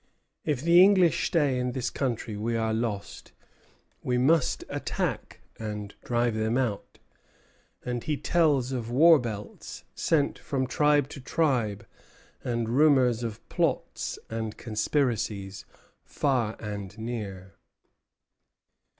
If the English stay in this country we are lost. We must attack, and drive them out." And he tells of war belts sent from tribe to tribe, and rumors of plots and conspiracies far and near.